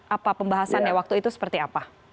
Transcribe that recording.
apa pembahasannya waktu itu seperti apa